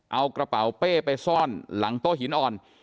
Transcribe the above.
เอากระเป๋าเป้ไปซ่อนหลังโต๊ะหินอ่อน